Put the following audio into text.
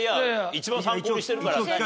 一番参考にしてるから。